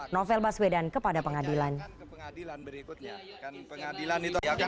novel baswedan kepada pengadilan